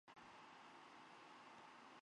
此派得名于他们使用的辩论技巧。